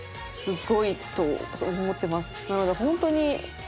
すごいと思ってます。